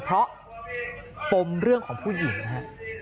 เพราะปมเรื่องของผู้หญิงฮะ